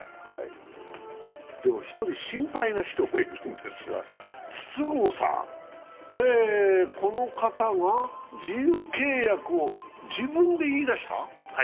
でも、１人心配な人もいるんですが、筒香さん、この方が自由契約を自分で言い出した？